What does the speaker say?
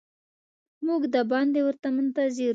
موږ د باندې ورته منتظر وو.